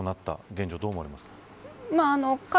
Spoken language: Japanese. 現状、どう思われますか。